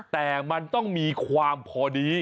แต่มันต้องมีความพอดี